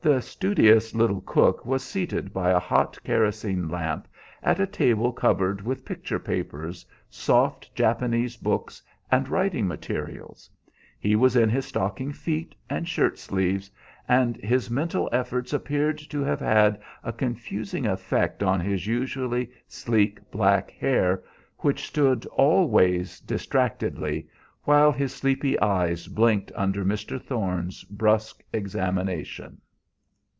The studious little cook was seated by a hot kerosene lamp, at a table covered with picture papers, soft Japanese books, and writing materials. He was in his stocking feet and shirt sleeves, and his mental efforts appeared to have had a confusing effect on his usually sleek black hair, which stood all ways distractedly, while his sleepy eyes blinked under Mr. Thorne's brusque examination.